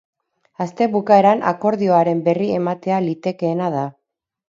Aste bukaeran akordioaren berri ematea litekeena da.